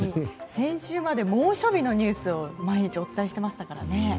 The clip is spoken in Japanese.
先週まで猛暑日のニュースを毎日お伝えしていましたからね。